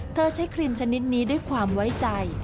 ใช้ครีมชนิดนี้ด้วยความไว้ใจ